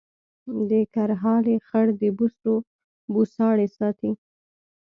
د کرهالې خړ د بوسو بوساړې ساتي